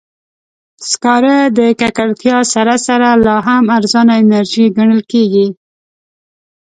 سکاره د ککړتیا سره سره، لا هم ارزانه انرژي ګڼل کېږي.